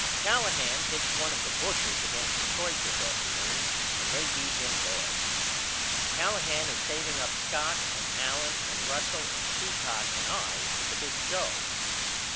Callahan pitched one of the bushers against Detroit this afternoon and they beat him bad. Callahan is saveing up Scott and Allen and Russell and Cicotte and I for the big show.